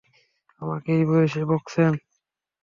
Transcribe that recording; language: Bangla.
আমাকে এই বয়সে বকছেন?